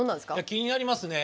気になりますね。